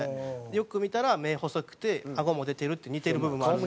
よく見たら目細くてあごも出てるっていう似てる部分もあるので。